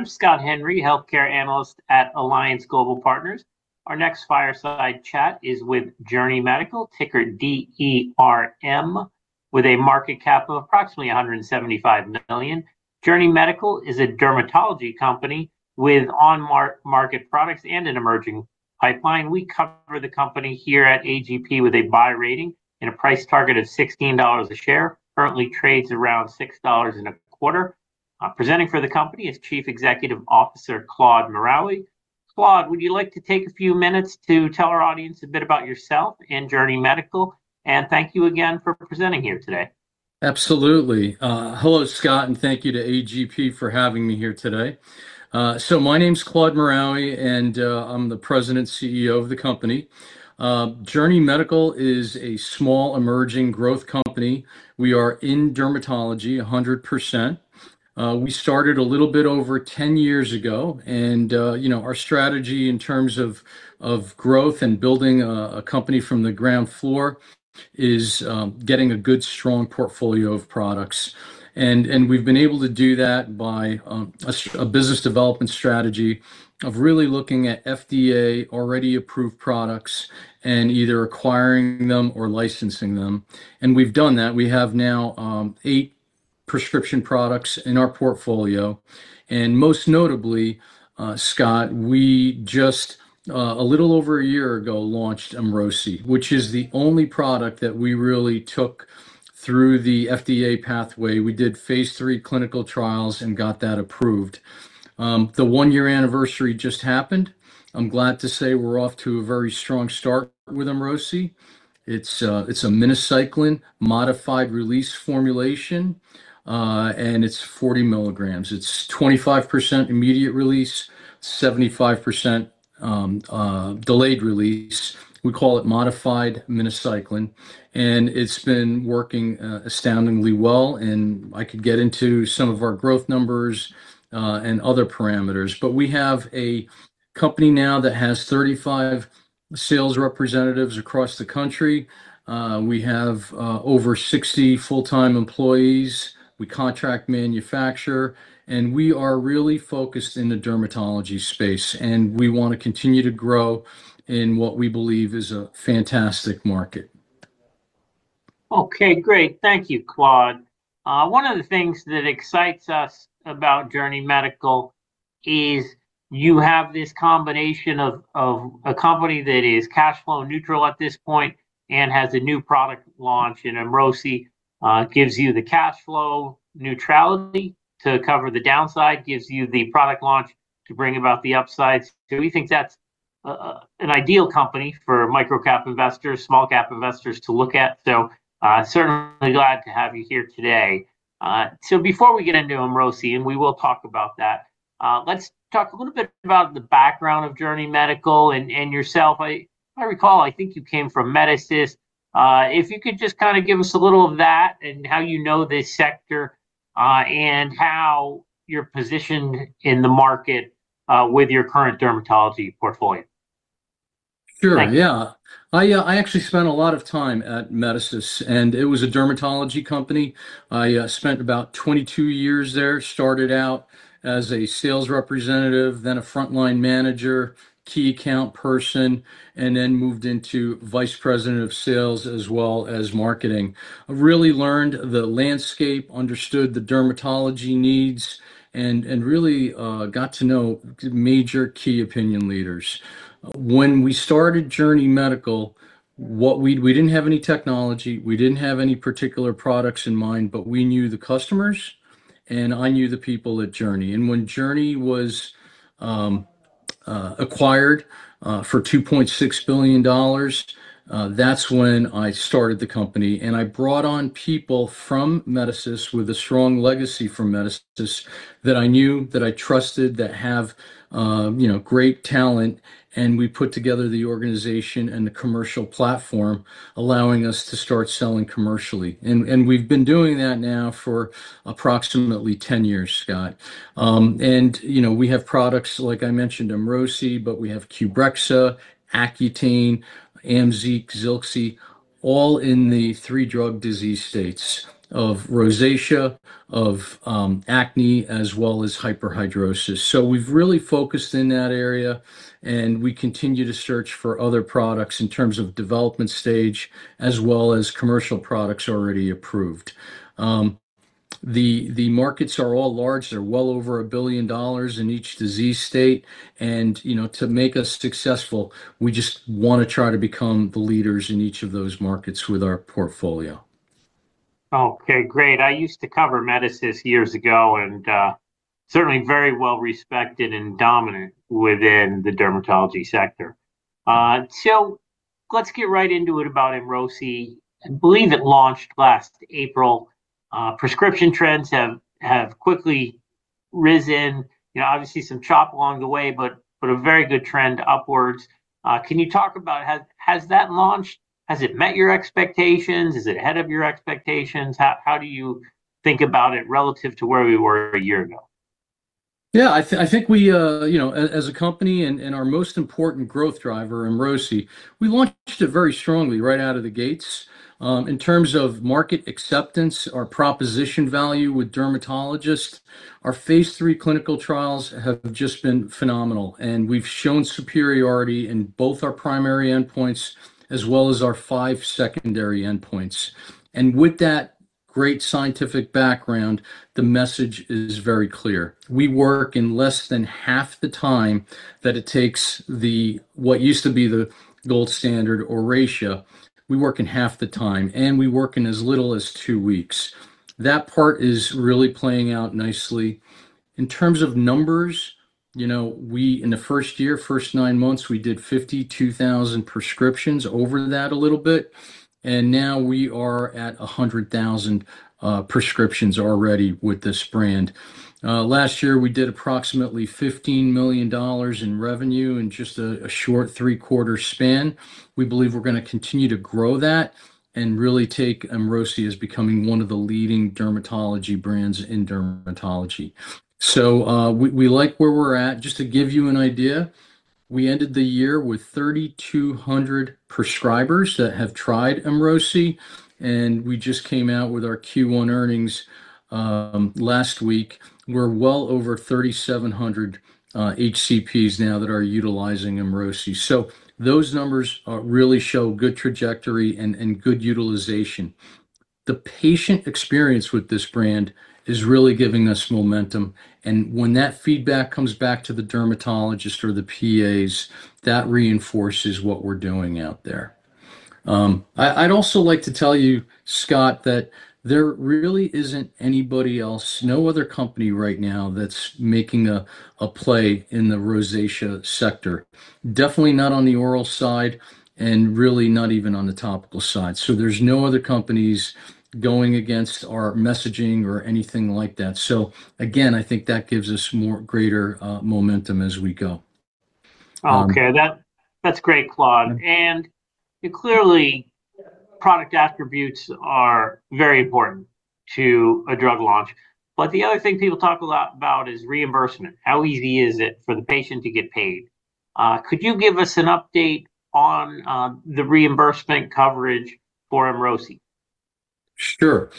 I'm Scott Henry, Healthcare Analyst at Alliance Global Partners. Our next fireside chat is with Journey Medical, ticker DERM, with a market cap of approximately $175 million. Journey Medical is a dermatology company with on-market products and an emerging pipeline. We cover the company here at AGP with a buy rating and a price target of $16 a share. Currently trades around $6.25. Presenting for the company is Chief Executive Officer, Claude Maraoui. Claude, would you like to take a few minutes to tell our audience a bit about yourself and Journey Medical? Thank you again for presenting here today. Absolutely. Hello, Scott, and thank you to A.G.P. for having me here today. My name's Claude Maraoui, and I'm the President, CEO of the company. Journey Medical is a small emerging growth company. We are in dermatology 100%. We started a little bit over 10 years ago and our strategy in terms of growth and building a company from the ground floor is getting a good, strong portfolio of products. We've been able to do that by a business development strategy of really looking at FDA already approved products and either acquiring them or licensing them, and we've done that. We have now eight prescription products in our portfolio, and most notably, Scott, we just, a little over a year ago, launched EMROSI, which is the only product that we really took through the FDA pathway. We did phase III clinical trials and got that approved. The one-year anniversary just happened. I'm glad to say we're off to a very strong start with EMROSI. It's a minocycline modified-release formulation, and it's 40 mg. It's 25% immediate release, 75% delayed release. We call it modified minocycline, and it's been working astoundingly well, and I could get into some of our growth numbers, and other parameters. We have a company now that has 35 sales representatives across the country. We have over 60 full-time employees. We contract manufacture, and we are really focused in the dermatology space, and we want to continue to grow in what we believe is a fantastic market. Okay, great. Thank you, Claude. One of the things that excites us about Journey Medical is you have this combination of a company that is cashflow neutral at this point and has a new product launch in EMROSI, gives you the cashflow neutrality to cover the downside, gives you the product launch to bring about the upsides. We think that's an ideal company for microcap investors, small cap investors to look at. Certainly glad to have you here today. Before we get into EMROSI, and we will talk about that, let's talk a little bit about the background of Journey Medical and yourself. I recall, I think you came from Medicis. If you could just kind of give us a little of that and how you know this sector, and how you're positioned in the market, with your current dermatology portfolio. Sure, yeah. I actually spent a lot of time at Medicis, and it was a dermatology company. I spent about 22 years there. Started out as a sales representative, then a frontline manager, key account person, and then moved into vice president of sales as well as marketing. I really learned the landscape, understood the dermatology needs, and really got to know major key opinion leaders. When we started Journey Medical, we didn't have any technology, we didn't have any particular products in mind, but we knew the customers, and I knew the people at Journey. When Journey was acquired for $2.6 billion, that's when I started the company, and I brought on people from Medicis, with a strong legacy from Medicis that I knew, that I trusted, that have great talent, and we put together the organization and the commercial platform allowing us to start selling commercially. We've been doing that now for approximately 10 years, Scott. We have products, like I mentioned, EMROSI, but we have Qbrexza, Accutane, AMZEEQ, ZILXI, all in the three drug disease states of rosacea, of acne, as well as hyperhidrosis. We've really focused in that area, and we continue to search for other products in terms of development stage as well as commercial products already approved. The markets are all large. They're well over $1 billion in each disease state. To make us successful, we just want to try to become the leaders in each of those markets with our portfolio. Okay, great. I used to cover Medicis years ago, certainly very well respected and dominant within the dermatology sector. Let's get right into it about EMROSI. I believe it launched last April. Prescription trends have quickly risen. Obviously some chop along the way, a very good trend upwards. Can you talk about, has that launch, has it met your expectations? Is it ahead of your expectations? How do you think about it relative to where we were a year ago? Yeah, I think as a company and our most important growth driver, EMROSI, we launched it very strongly right out of the gates. In terms of market acceptance, our proposition value with dermatologists, our phase III clinical trials have just been phenomenal. We've shown superiority in both our primary endpoints as well as our five secondary endpoints. With that great scientific background, the message is very clear. We work in less than half the time that it takes the, what used to be the gold standard, Oracea, we work in half the time, and we work in as little as two weeks. That part is really playing out nicely. In terms of numbers, in the first year, first nine months, we did 52,000 prescriptions, over that a little bit, and now we are at 100,000 prescriptions already with this brand. Last year, we did approximately $15 million in revenue in just a short three-quarter span. We believe we're going to continue to grow that and really take EMROSI as becoming one of the leading dermatology brands in dermatology. We like where we're at. Just to give you an idea, we ended the year with 3,200 prescribers that have tried EMROSI, and we just came out with our Q1 earnings last week. We're well over 3,700 HCPs now that are utilizing EMROSI. Those numbers really show good trajectory and good utilization. The patient experience with this brand is really giving us momentum, and when that feedback comes back to the dermatologist or the PAs, that reinforces what we're doing out there. I'd also like to tell you, Scott, that there really isn't anybody else, no other company right now that's making a play in the rosacea sector. Definitely not on the oral side, really not even on the topical side. There's no other companies going against our messaging or anything like that. Again, I think that gives us greater momentum as we go. Okay. That's great, Claude. Clearly, product attributes are very important to a drug launch. The other thing people talk a lot about is reimbursement. How easy is it for the patient to get paid? Could you give us an update on the reimbursement coverage for EMROSI?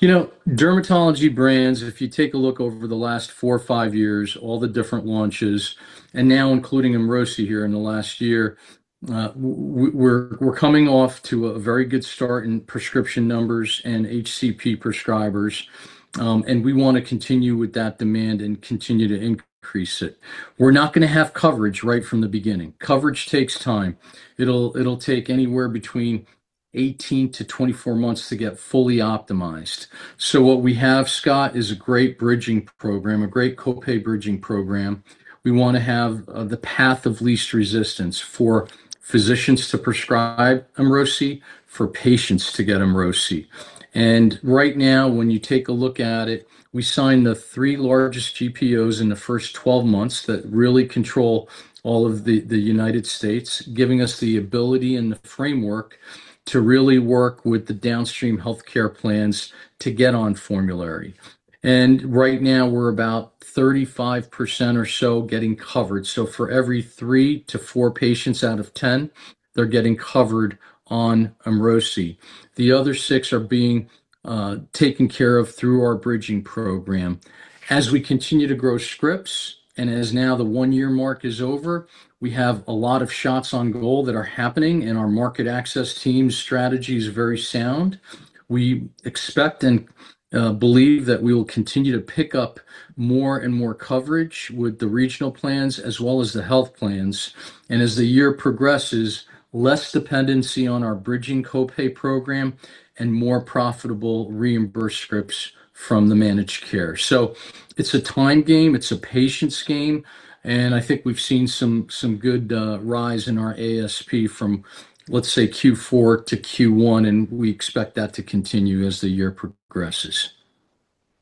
Sure. Dermatology brands, if you take a look over the last four or five years, all the different launches, now including EMROSI here in the last year, we're coming off to a very good start in prescription numbers and HCP prescribers, and we want to continue with that demand and continue to increase it. We're not going to have coverage right from the beginning. Coverage takes time. It'll take anywhere between 18-24 months to get fully optimized. What we have, Scott, is a great bridging program, a great co-pay bridging program. We want to have the path of least resistance for physicians to prescribe EMROSI, for patients to get EMROSI. Right now, when you take a look at it, we signed the three largest GPOs in the first 12 months that really control all of the U.S., giving us the ability and the framework to really work with the downstream healthcare plans to get on formulary. Right now, we're about 35% or so getting covered. For every three to four patients out of 10, they're getting covered on EMROSI. The other six are being taken care of through our bridging program. As we continue to grow scripts, and as now the one-year mark is over, we have a lot of shots on goal that are happening, and our market access team's strategy is very sound. We expect and believe that we will continue to pick up more and more coverage with the regional plans as well as the health plans. As the year progresses, less dependency on our bridging co-pay program and more profitable reimbursed scripts from the managed care. It's a time game, it's a patience game, and I think we've seen some good rise in our ASP from, let's say, Q4 to Q1, and we expect that to continue as the year progresses.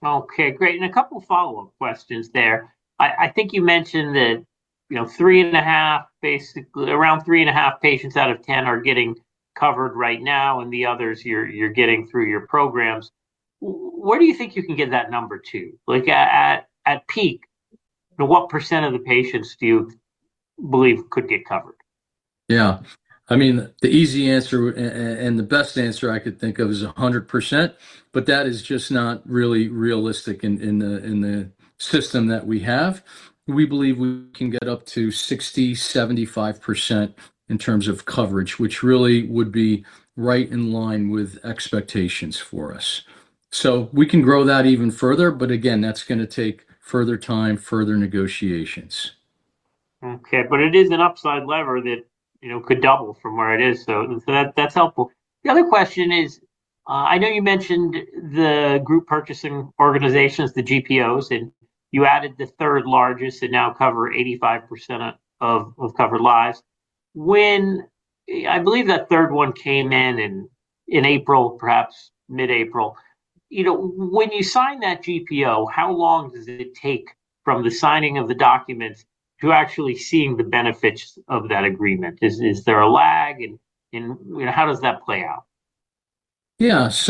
Okay, great. A couple follow-up questions there. I think you mentioned that around 3.5 patients out of 10 are getting covered right now, and the others you're getting through your programs. Where do you think you can get that number to? Like at peak, what percent of the patients do you believe could get covered? Yeah. I mean, the easy answer and the best answer I could think of is 100%, but that is just not really realistic in the system that we have. We believe we can get up to 60%-75% in terms of coverage, which really would be right in line with expectations for us. We can grow that even further, but again, that's going to take further time, further negotiations. Okay. It is an upside lever that could double from where it is, so that's helpful. The other question is, I know you mentioned the group purchasing organizations, the GPOs, and you added the third largest that now cover 85% of covered lives. I believe that third one came in in April, perhaps mid-April. When you sign that GPO, how long does it take from the signing of the documents to actually seeing the benefits of that agreement? Is there a lag? How does that play out? Just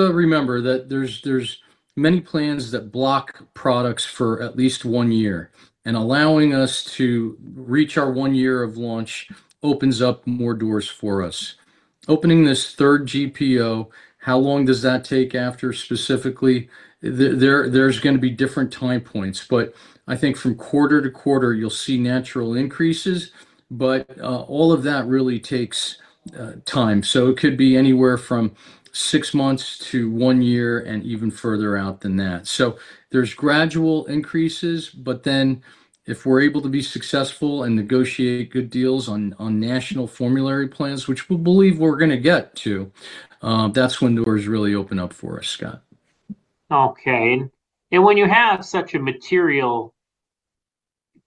remember that there's many plans that block products for at least one year, and allowing us to reach our one year of launch opens up more doors for us. Opening this third GPO, how long does that take after specifically? There's going to be different time points, but I think from quarter to quarter, you'll see natural increases, but all of that really takes time. It could be anywhere from six months to one year and even further out than that. There's gradual increases. If we're able to be successful and negotiate good deals on national formulary plans, which we believe we're going to get to, that's when doors really open up for us, Scott. Okay. When you have such a material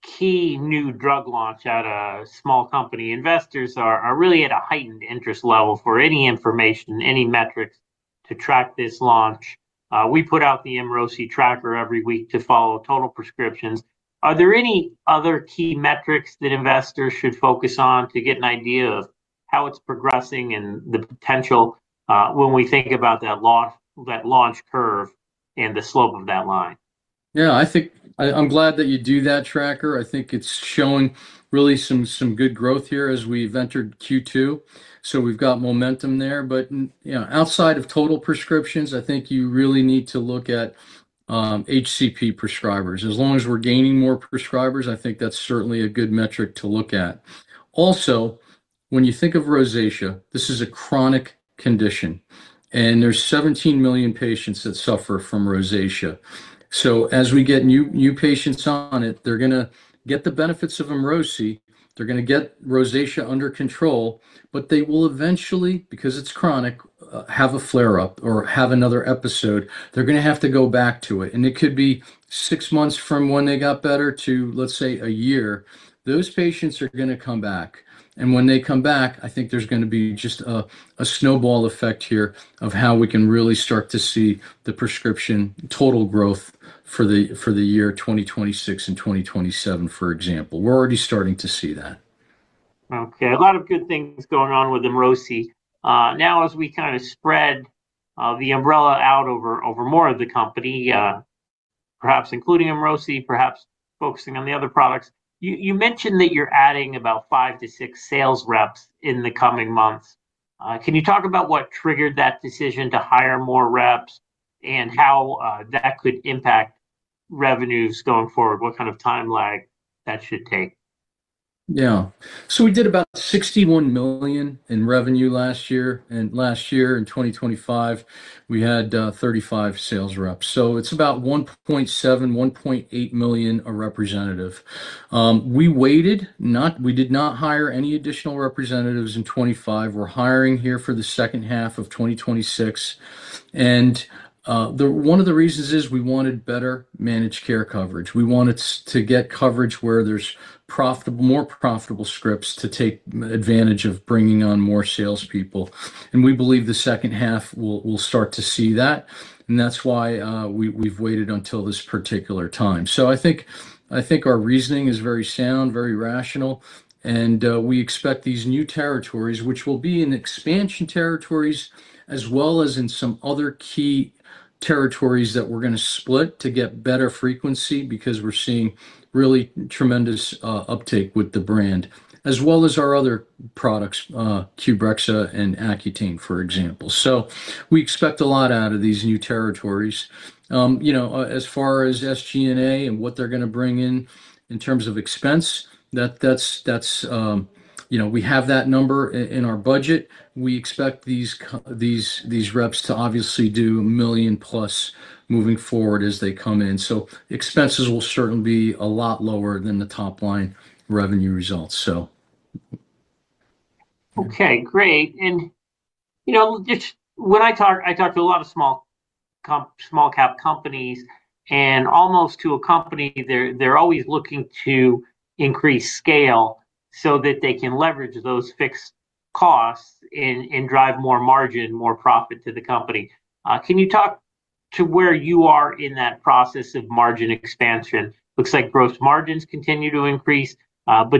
key new drug launch at a small company, investors are really at a heightened interest level for any information, any metrics to track this launch. We put out the EMROSI tracker every week to follow total prescriptions. Are there any other key metrics that investors should focus on to get an idea of how it's progressing and the potential, when we think about that launch curve and the slope of that line? Yeah, I'm glad that you do that tracker. I think it's showing really some good growth here as we've entered Q2. We've got momentum there. Outside of total prescriptions, I think you really need to look at HCP prescribers. As long as we're gaining more prescribers, I think that's certainly a good metric to look at. Also, when you think of rosacea, this is a chronic condition, and there's 17 million patients that suffer from rosacea. As we get new patients on it, they're going to get the benefits of EMROSI, they're going to get rosacea under control, but they will eventually, because it's chronic, have a flare up or have another episode. They're going to have to go back to it. It could be six months from when they got better to, let's say, a year. Those patients are going to come back. When they come back, I think there's going to be just a snowball effect here of how we can really start to see the prescription total growth for the year 2026 and 2027, for example. We're already starting to see that. Okay. A lot of good things going on with EMROSI. Now as we kind of spread the umbrella out over more of the company, perhaps including EMROSI, perhaps focusing on the other products, you mentioned that you're adding about five to six sales reps in the coming months. Can you talk about what triggered that decision to hire more reps and how that could impact revenues going forward? What kind of timeline that should take? Yeah. We did about $61 million in revenue last year, last year, in 2025, we had 35 sales reps. It is about $1.7 million, $1.8 million a representative. We waited, we did not hire any additional representatives in 2025. We are hiring here for the second half of 2026. One of the reasons is we wanted better managed care coverage. We wanted to get coverage where there is more profitable scripts to take advantage of bringing on more salespeople. We believe the second half we will start to see that is why we have waited until this particular time. I think our reasoning is very sound, very rational, and we expect these new territories, which will be in expansion territories, as well as in some other key territories that we're going to split to get better frequency because we're seeing really tremendous uptake with the brand, as well as our other products, QBREXZA and Accutane, for example. We expect a lot out of these new territories. As far as SG&A and what they're going to bring in in terms of expense, we have that number in our budget. We expect these reps to obviously do $1 million+ moving forward as they come in. Expenses will certainly be a lot lower than the top-line revenue results. Okay, great. When I talk to a lot of small cap companies and almost to a company, they're always looking to increase scale so that they can leverage those fixed costs and drive more margin, more profit to the company. Can you talk to where you are in that process of margin expansion? Looks like gross margins continue to increase,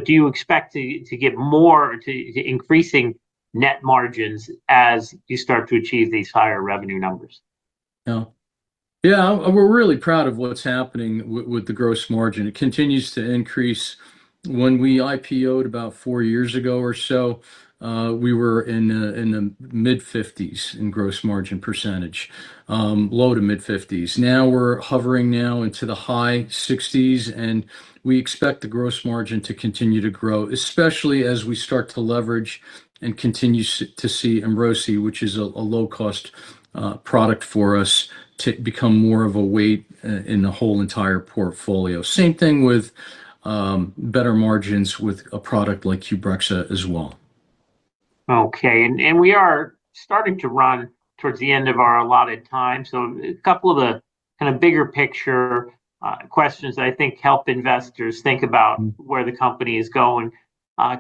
do you expect to get more to increasing net margins as you start to achieve these higher revenue numbers? Yeah. We're really proud of what's happening with the gross margin. It continues to increase. When we IPO'd about four years ago or so, we were in the mid-50s in gross margin percentage. Low to mid-50s. Now we're hovering now into the high 60s, and we expect the gross margin to continue to grow, especially as we start to leverage and continue to see EMROSI, which is a low-cost product for us to become more of a weight in the whole entire portfolio. Same thing with better margins with a product like QBREXZA as well. Okay. We are starting to run towards the end of our allotted time. A couple of the kind of bigger picture questions that I think help investors think about where the company is going.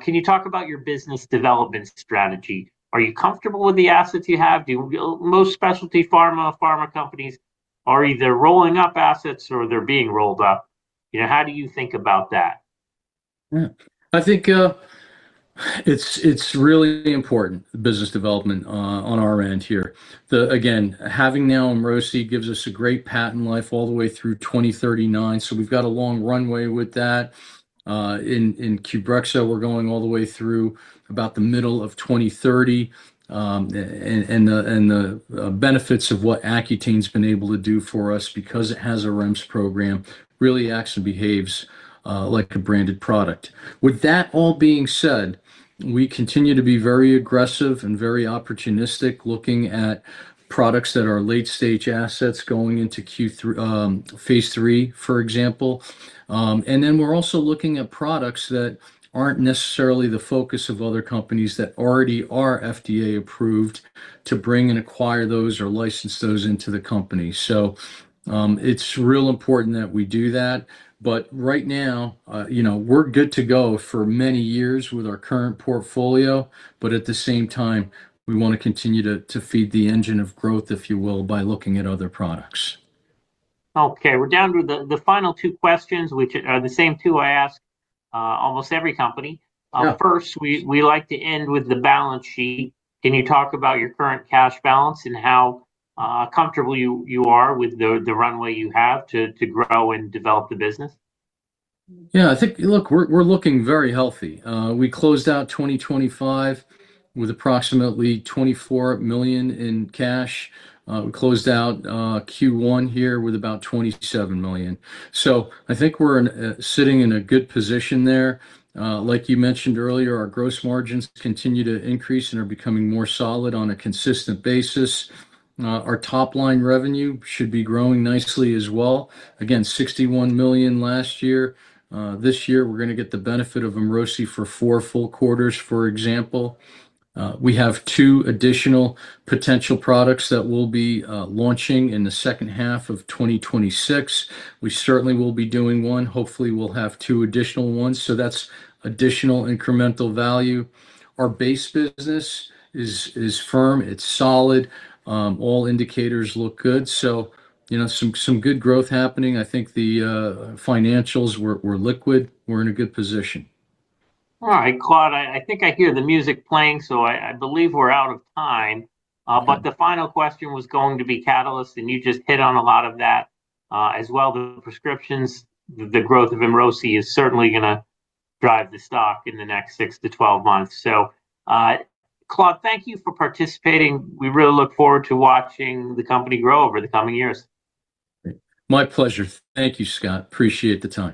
Can you talk about your business development strategy? Are you comfortable with the assets you have? Most specialty pharma companies are either rolling up assets or they're being rolled up. How do you think about that? Yeah. I think it's really important, the business development on our end here. Having now EMROSI gives us a great patent life all the way through 2039, so we've got a long runway with that. In Qbrexza, we're going all the way through about the middle of 2030. The benefits of what Accutane's been able to do for us because it has a REMS program, really acts and behaves like a branded product. With that all being said, we continue to be very aggressive and very opportunistic, looking at products that are late-stage assets going into phase III, for example. We're also looking at products that aren't necessarily the focus of other companies that already are FDA approved to bring and acquire those or license those into the company. It's real important that we do that. Right now, we're good to go for many years with our current portfolio, but at the same time, we want to continue to feed the engine of growth, if you will, by looking at other products. Okay. We're down to the final two questions, which are the same two I ask almost every company. Yeah. We like to end with the balance sheet. Can you talk about your current cash balance and how comfortable you are with the runway you have to grow and develop the business? Yeah. Look, we're looking very healthy. We closed out 2025 with approximately $24 million in cash. We closed out Q1 here with about $27 million. I think we're sitting in a good position there. Like you mentioned earlier, our gross margins continue to increase and are becoming more solid on a consistent basis. Our top-line revenue should be growing nicely as well. Again, $61 million last year. This year, we're going to get the benefit of EMROSI for four full quarters, for example. We have two additional potential products that we'll be launching in the second half of 2026. We certainly will be doing one. Hopefully, we'll have two additional ones. That's additional incremental value. Our base business is firm, it's solid. All indicators look good. Some good growth happening. I think the financials, we're liquid, we're in a good position. All right, Claude. I think I hear the music playing. I believe we're out of time. The final question was going to be catalysts. You just hit on a lot of that. As well, the prescriptions, the growth of EMROSI is certainly going to drive the stock in the next 6-12 months. Claude, thank you for participating. We really look forward to watching the company grow over the coming years. Great. My pleasure. Thank you, Scott. Appreciate the time.